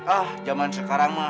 ah zaman sekarang ma